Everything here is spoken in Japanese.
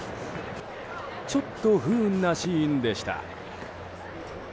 ちょっと不運なシーンでした。